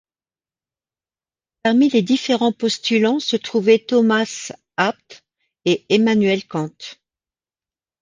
Parmi les différents postulants se trouvaient Thomas Abbt et Emmanuel Kant.